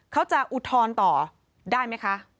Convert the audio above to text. เขาจะอุทธรณ์ต่อได้ไหมคะ